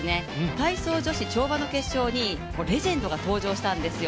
体操女子跳馬の決勝にレジェンドが登場したんですよ。